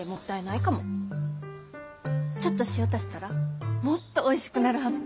ちょっと塩足したらもっとおいしくなるはず。